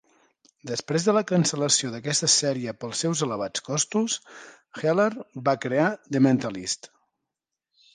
Després de la cancel·lació d'aquesta sèrie pels seus elevats costos, Heller va crear "The Mentalist".